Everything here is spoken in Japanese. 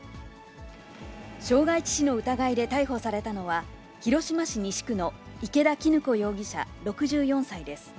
傷害致死の疑いで逮捕されたのは、広島市西区の池田絹子容疑者６４歳です。